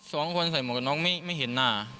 สองคนใส่หมวกกับน้องไม่เห็นหน้า